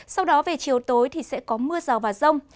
sau đó về chiều tối thì sẽ có mưa rào và rông